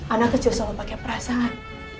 anak kecil selalu pakai perasaan